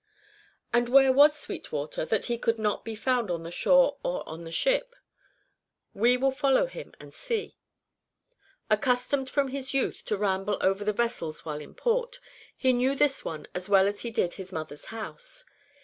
And where was Sweetwater, that he could not be found on the shore or on the ship? We will follow him and see. Accustomed from his youth to ramble over the vessels while in port, he knew this one as well as he did his mother's house.